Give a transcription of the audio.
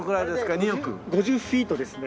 ２億？５０フィートですね。